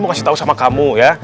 mau kasih tahu sama kamu ya